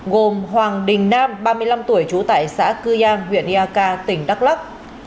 gồm hoàng đình nam ba mươi năm tuổi trú tại xã cư giang huyện iak tỉnh đắk lắc